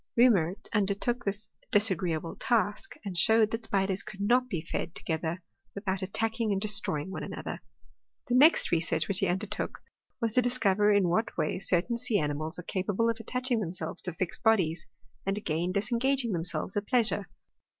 Reaumur undertook this di^igreeable task, and showed that spiders could not be fed together without attacking and destroying one another. The next research which he undertook, was to dis cover in what way certain sea animals are capable of attaching themselves to fixed bodies, and again disengaging themselves at pleasure.